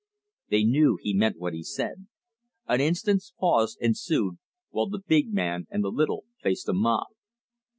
They knew he meant what he said. An instant's pause ensued, while the big man and the little faced a mob.